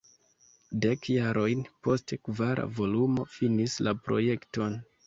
Dek jarojn poste kvara volumo finis la projekton.